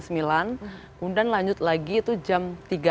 kemudian lanjut lagi itu jam tiga